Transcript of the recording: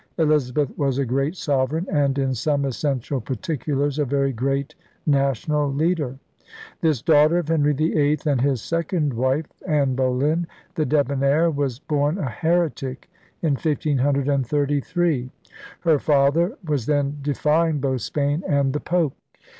Elizabeth was a great sovereign and, in some essential particulars, a very great national leader. This daughter of Henry VIII and his second wife, Anne Boleyn the debonair, was born a heretic in 15>33. Her father was then defying both Spain and the Pope.